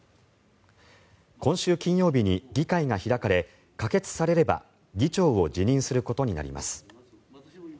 今週金曜日に議会が開かれ可決されれば議長を辞任することになります。